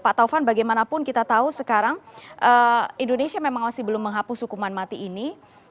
pak taufan bagaimanapun kita tahu sekarang indonesia memang masih belum menghapus hukuman mati ini